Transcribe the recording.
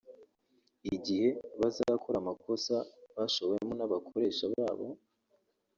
igihe bazakora amakosa bashowemo n’abakoresha babo